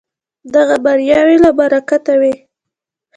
دغه بریاوې له برکته وې.